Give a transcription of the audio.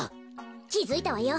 きづいたわよ。